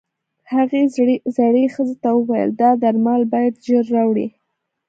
هغې زړې ښځې ته وويل دا درمل بايد ژر راوړې.